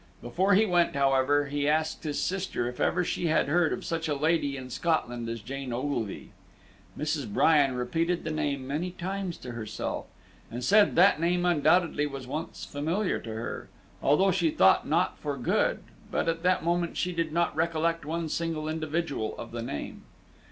Before he went, however, he asked his sister if ever she had heard of such a lady in Scotland as Jane Ogilvie. Mrs. Bryan repeated the name many times to herself, and said that name undoubtedly was once familiar to her, although she thought not for good, but at that moment she did not recollect one single individual of the name.